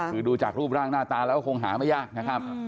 คือดูจากรูปร่างหน้าตาแล้วก็คงหาไม่ยากนะครับ